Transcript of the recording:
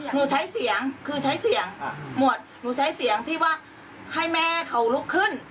หนูใช้เสียงคือใช้เสียงหมวดหนูใช้เสียงที่ว่าให้แม่เขาลุกขึ้น